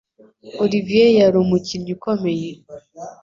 Olivier yari umukinnyi ukomeye